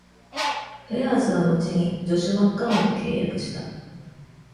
ヘアーズは後にジョシュ・マッカウンと契約した。